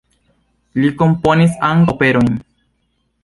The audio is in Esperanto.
Li komponis ankaŭ operojn.